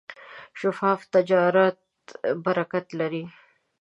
شفاف تجارت برکت لري.